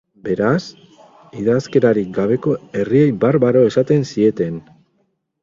Beraz, idazkerarik gabeko herriei barbaro esaten zieten.